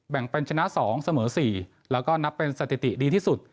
แบ่งเป็นชนะ๒เสมอ๔แล้วก็นับเป็นสถิติดีที่สุด